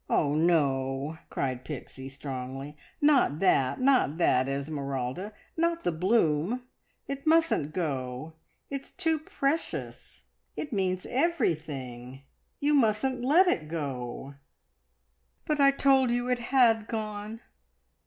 "Oh, no!" cried Pixie strongly. "Not that, not that, Esmeralda. Not the bloom. It mustn't go; it's too precious. It means everything. You mustn't let it go!" "But I told you it had gone.